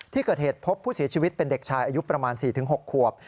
ที่เกิดเหตุพบผู้เสียชีวิตเป็นเด็กชายอายุประมาณ๔๖ขวบ